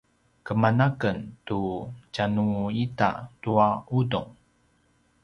keman a ken tu tjanu ita tua udung